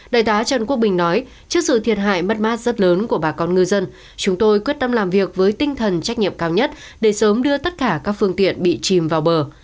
đại tá trần quốc bình nói trước sự thiệt hại mất mát rất lớn của bà con ngư dân chúng tôi quyết tâm làm việc với tinh thần trách nhiệm cao nhất để sớm đưa tất cả các phương tiện bị chìm vào bờ